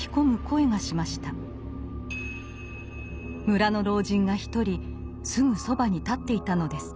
村の老人が一人すぐそばに立っていたのです。